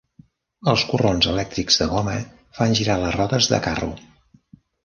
Els corrons elèctrics de goma fan girar les rodes de carro.